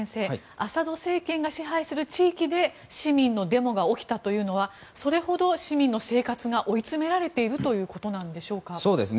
アサド政権が支配する地域で市民のデモが起きたというのはそれほど市民の生活が追い詰められているということなんでしょうか。